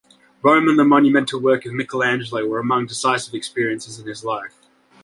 Rome and the monumental work of Michelangelo were among decisive experiences in his life.